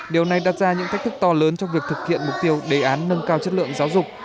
điều này đặt ra những thách thức to lớn trong việc thực hiện mục tiêu đề án nâng cao chất lượng giáo dục